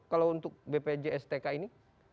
kalau untuk bpjstk ini